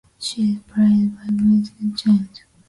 She is played by Maggie Cheung.